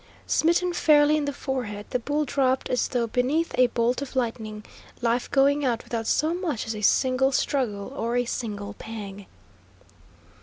Smitten fairly in the forehead, the bull dropped as though beneath a bolt of lightning, life going out without so much as a single struggle or a single pang.